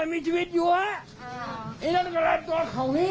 โล่งใจไหมคุณตาตอนนี้